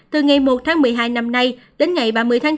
từ ngày một một mươi hai năm nay đến ngày ba mươi bốn hai nghìn hai mươi hai